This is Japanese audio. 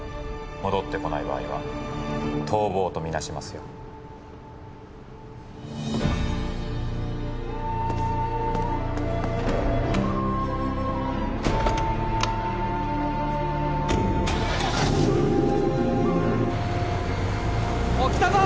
戻ってこない場合は逃亡とみなしますよ・おい来たぞ！